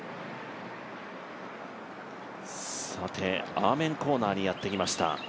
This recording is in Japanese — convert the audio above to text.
アーメンコーナーにやってきました。